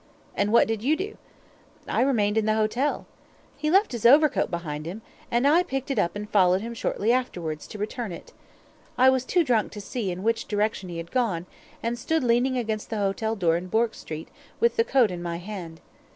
"And what did you do?" "I remained in the hotel. He left his overcoat behind him, and I picked it up and followed him shortly afterwards, to return it. I was too drunk to see in which direction he had gone, and stood leaning against the hotel door in Bourke Street with the coat in my hand.